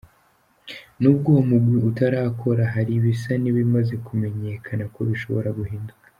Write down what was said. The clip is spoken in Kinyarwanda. N'ubwo uwo mugwi utarakora, hari ibisa n'ibimaze kumenyekana ko bishobora guhinduka.